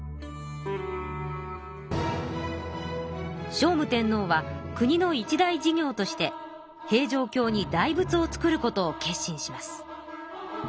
聖武天皇は国の一大事業として平城京に大仏を造ることを決心します。